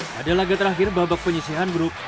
pada laga terakhir babak penyisihan grup